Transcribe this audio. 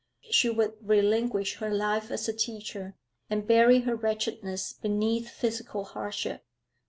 She would relinquish her life as a teacher, and bury her wretchedness beneath physical hardship.